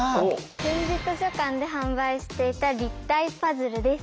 点字図書館で販売していた立体パズルです。